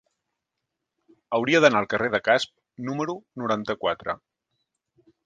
Hauria d'anar al carrer de Casp número noranta-quatre.